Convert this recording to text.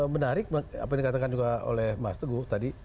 menarik apa yang dikatakan juga oleh mas teguh tadi